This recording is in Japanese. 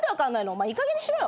お前いいかげんにしろよ！